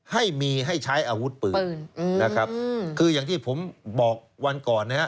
ให้ใช้อาวุธปืนคืออย่างที่ผมบอกวันก่อน